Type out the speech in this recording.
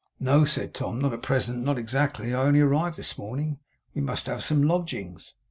'No,' said Tom. 'Not at present. Not exactly. I only arrived this morning. We must have some lodgings.